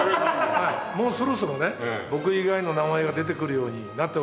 もうそろそろね僕以外の名前が出てくるようになってほしいなと。